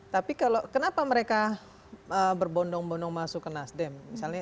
tapi kalau kenapa mereka berbondong bondong masuk ke nasdem